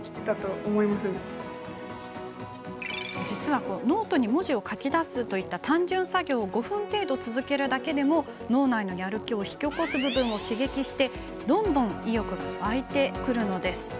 実は、ノートに文字を書き出すといった単純作業を５分程度、続けるだけでも脳内のやる気を引き起こす部分を刺激してどんどん意欲が湧いてくるのです。